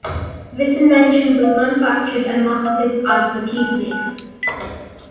This invention was manufactured and marketed as the Teesmade.